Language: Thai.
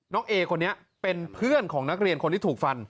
เอคนนี้เป็นเพื่อนของนักเรียนคนที่ถูกฟัน